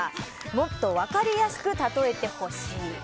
もっと分かりやすく例えてほしい。